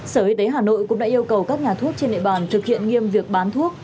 sở y tế hà nội cũng đã yêu cầu các nhà thuốc trên địa bàn thực hiện nghiêm việc bán thuốc